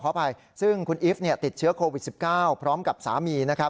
อภัยซึ่งคุณอีฟติดเชื้อโควิด๑๙พร้อมกับสามี